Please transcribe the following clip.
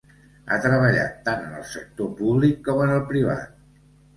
Ha treballat tant en el sector públic com en el privat.